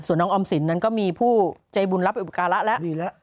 ส่วนน้องออมสินนั้นก็มีผู้ใจบุญรับไปอุปการะแล้วดีแล้ว